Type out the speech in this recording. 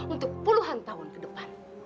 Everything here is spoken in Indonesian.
untuk puluhan tahun ke depan